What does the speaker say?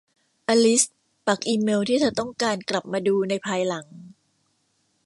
อลิซปักอีเมล์ที่เธอต้องการกลับมาดูในภายหลัง